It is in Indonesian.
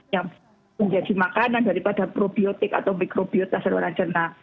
yang menjadi makanan daripada probiotik atau mikrobiota saluran cerna